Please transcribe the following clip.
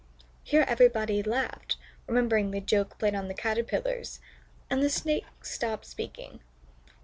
Here everybody laughed, remembering the joke played on the Caterpillars, and the Snake stopped speaking.